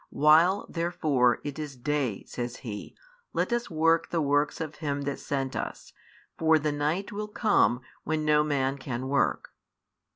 While therefore it is day, says He, let us work the works of Him that sent us; for the night will come, when no man can work.